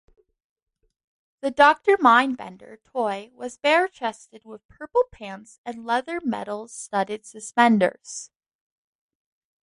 The Doctor Mindbender toy was bare chested with purple pants and leather metal-studded suspenders.